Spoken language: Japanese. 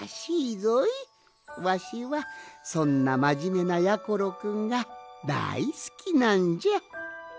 わしはそんなまじめなやころくんがだいすきなんじゃ。